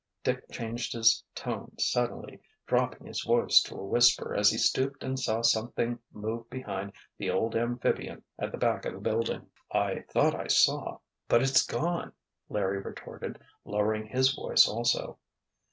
Dick changed his tone suddenly, dropping his voice to a whisper as he stooped and saw something move behind the old amphibian at the back of the building. "I thought I saw—but it's gone!" Larry retorted, lowering his voice also.